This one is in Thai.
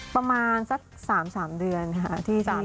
ประมาณสัก๓เดือนค่ะ